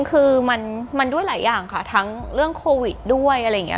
คือมันด้วยหลายอย่างค่ะทั้งเรื่องโควิดด้วยอะไรอย่างนี้